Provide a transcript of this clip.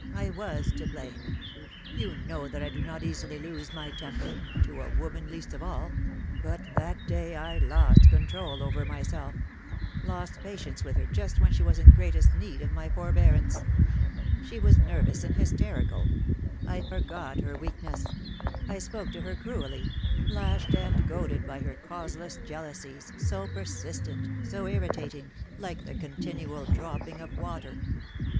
I was to blame. You know that I do not easily lose my temper to a woman, least of all ; but that day I lost control over myself lost patience with her just when she was in greatest need of my forbearance. She was nervous 312 The Fatal Three. and hysterical. I forgot her weakness. I spoke to her cruelly lashed and goaded by her causeless jealousies so persistent, BO irritating like the continual dropping of water.